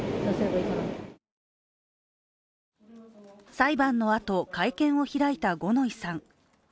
裁判のあと会見を開いた五ノ井さん。